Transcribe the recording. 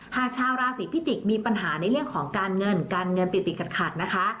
หากชาวราศีพิจิกษ์มีปัญหาในเรื่องของการเงินการเงินติดติดขัดนะคะ